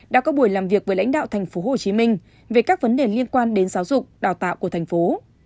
đã có buổi làm việc với lãnh đạo thành phố hồ chí minh về các vấn đề liên quan đến giáo dục đào tạo của thành phố